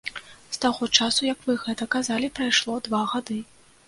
З таго часу як вы гэта казалі прайшло два гады.